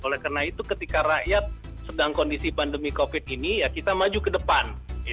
oleh karena itu ketika rakyat sedang kondisi pandemi covid ini ya kita maju ke depan